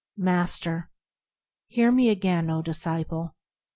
Master. Hear me again, O disciple